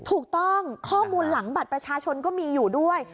ถูกต้องข้อมูลหลังบัตรประชาชนก็มีอยู่ด้วย